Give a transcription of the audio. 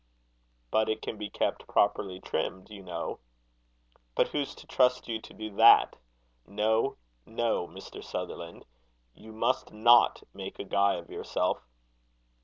"But it can be kept properly trimmed, you know." "But who's to trust you to do that? No, no, Mr. Sutherland; you must not make a guy of yourself."